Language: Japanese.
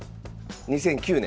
２００９年。